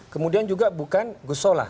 kemudian juga bukan gus solah